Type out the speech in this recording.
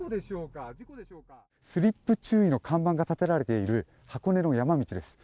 スリップ注意の看板が立てられている箱根の山道です。